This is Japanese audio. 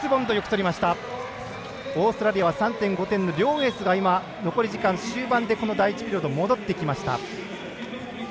オーストラリアは３．５点の両エースが、残り時間終盤で第１ピリオド戻ってきました。